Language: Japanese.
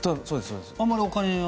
あまりお金は？